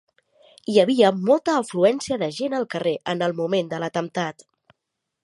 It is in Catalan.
Hi havia molta afluència de gent al carrer en el moment de l'atemptat